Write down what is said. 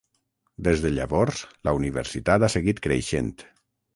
Des de llavors, la universitat ha seguit creixent.